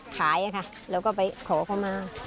ถ่ายแล้วก็ไปขอก็มา